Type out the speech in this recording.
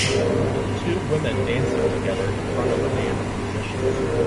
Two women dancing together in front of a band of musicians.